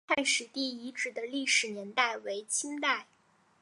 太史第遗址的历史年代为清代。